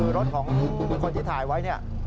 รถของคนที่ถ่ายไว้